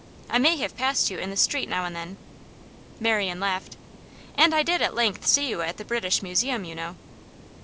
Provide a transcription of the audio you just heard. I may have passed you in the street now and then.' Marian laughed. 'And I did at length see you at the British Museum, you know.